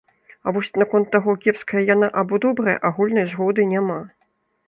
А вось наконт таго, кепская яна або добрая, агульнай згоды няма.